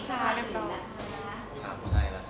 แต่ว่าเพื่อนจะมาต่อโกมาเย็นชิ